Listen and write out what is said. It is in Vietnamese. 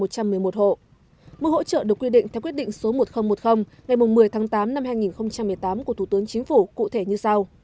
mức hỗ trợ được quy định theo quyết định số một nghìn một mươi ngày một mươi tháng tám năm hai nghìn một mươi tám của thủ tướng chính phủ cụ thể như sau